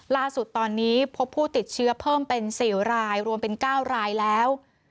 ล่าสุดตอนนี้พบผู้ติดเชื้อเพิ่มเป็น๔รายรวมเป็น๙รายแล้ว